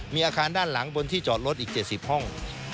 มีอาคารด้านหลังบนที่จอดรถอีก๗๐ห้อง